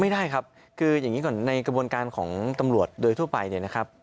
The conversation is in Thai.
ไม่ได้ครับคืออย่างนี้ก่อนในกระบวนการของตำรวจโดยทั่วไปเนี่ยนะครับ